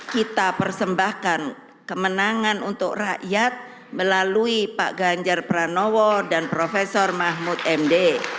kita persembahkan kemenangan untuk rakyat melalui pak ganjar pranowo dan prof mahfud md